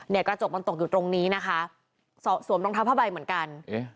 กระจกมันตกอยู่ตรงนี้นะคะสวมรองเท้าผ้าใบเหมือนกัน